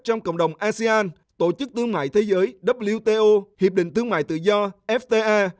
trong cộng đồng asean tổ chức tương mại thế giới wto hiệp định tương mại tự do fta